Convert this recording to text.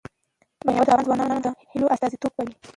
مېوې د افغان ځوانانو د هیلو استازیتوب کوي.